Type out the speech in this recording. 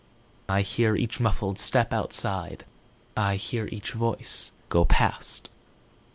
I hear each muffled step outside,I hear each voice go past.